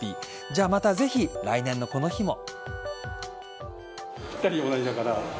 じゃあまたぜひ来年のこの日も。